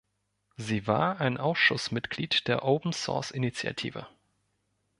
Sie war ein Ausschussmitglied der Open Source Initiative.